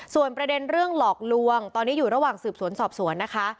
ส่วนประเด็นเรื่องหลอกลวงตอนนี้อยู่ระหว่างสืบสวนสอบสวนนะคะ